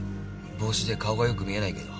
帽子で顔がよく見えないけど。